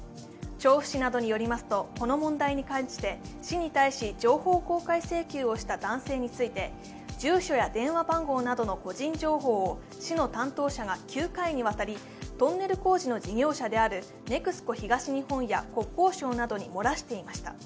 調布市などによりますと、この問題に関して市に対し情報公開請求をした男性について住所や電話番号などの個人情報を市の担当者が９回にわたりトンネル工事の事業者であるＮＥＸＣＯ東日本や国交省などに漏らしていました。